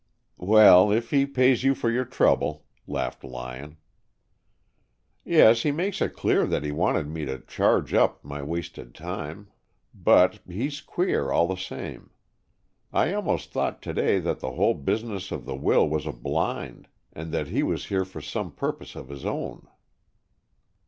"Well, if he pays you for your trouble," laughed Lyon. "Yes, he made it clear that he wanted me to charge up my wasted time, but he's queer all the same. I almost thought to day that the whole business of the will was a blind, and that he was here for some purpose of his own."